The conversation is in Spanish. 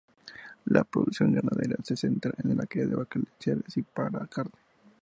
La producción ganadera se centra en la cría de vacas lecheras y para carne.